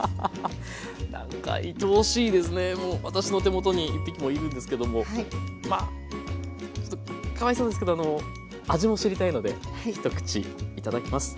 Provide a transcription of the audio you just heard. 私の手元に１匹もいるんですけどもまあちょっとかわいそうですけど味も知りたいので一口いただきます。